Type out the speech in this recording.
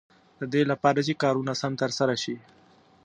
د دې لپاره چې کارونه سم تر سره شي.